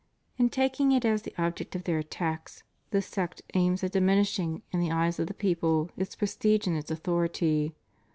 In taking it as the object of their attacks this sect aims at diminishing in the eyes of the people its prestige and its authority.